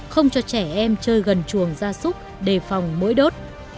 không cho trẻ em chơi gần chuồng gia súc đề phòng mũi đốt